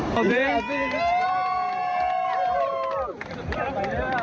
มันมากมาก